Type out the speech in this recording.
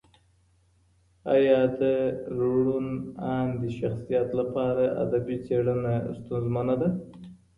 ایا د روڼ اندي شخصیت لپاره ادبي څېړنه ستونزمنه ده؟